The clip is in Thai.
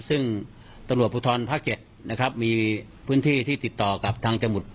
ซึ่งตรวจภูทรภาคเจ็ดนะครับมีพื้นที่ที่ติดต่อกับทางจังหวัด